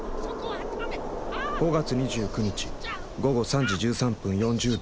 ５月２９日午後３時１３分４０秒。